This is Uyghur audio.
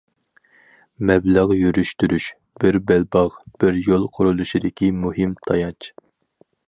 مەبلەغ يۈرۈشتۈرۈش‹‹ بىر بەلباغ، بىر يول›› قۇرۇلۇشىدىكى مۇھىم تايانچ.